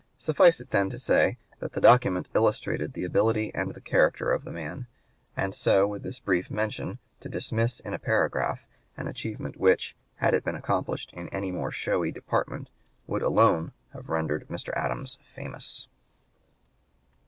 Suffice it then to say that the document illustrated the ability and the character of the man, and so with this brief mention to dismiss in a paragraph an achievement which, had it been accomplished in any more showy department, would alone have rendered Mr. Adams famous.